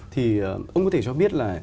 thì ông có thể cho biết là